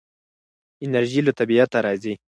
انرژي له طبیعته راځي.